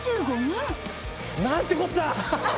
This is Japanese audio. なんてこった！